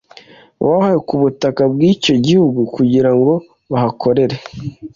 b ahawe ku butaka bw‘icyo gihugu kugira ngo bahakorere